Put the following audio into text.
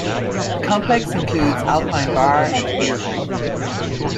The complex includes Alpine Bar and Bier Hall.